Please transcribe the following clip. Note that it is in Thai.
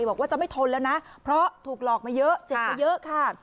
บอกว่าจะไม่ทนแล้วนะเพราะถูกหลอกมาเยอะเจ็บมาเยอะค่ะ